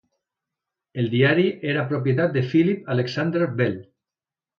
El diari era propietat de Philip Alexander Bell.